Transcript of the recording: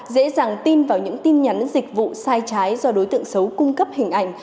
dễ dàng tin vào những tin nhắn dịch vụ sai trái do đối tượng xấu cung cấp hình ảnh